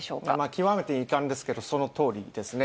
極めて遺憾ですけれども、そのとおりですね。